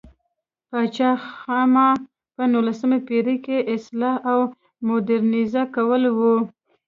پاچا خاما په نولسمه پېړۍ کې اصلاح او مودرنیزه کول و.